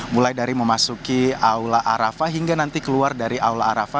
mulai dari memasuki aula arafah hingga nanti keluar dari aula arafah